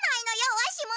わしも。